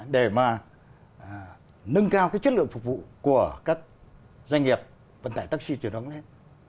để mà nâng cao cái chất lượng phục vụ của các doanh nghiệp vận tải taxi chuyển hóng lên